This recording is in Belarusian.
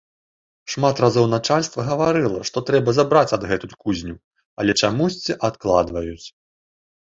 Шмат разоў начальства гаварыла, што трэба забраць адгэтуль кузню, але чамусьці адкладваюць.